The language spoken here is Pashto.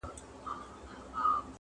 بيا به سور دسمال تر ملا کي -